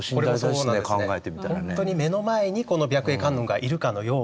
ほんとに目の前にこの白衣観音がいるかのようなですね。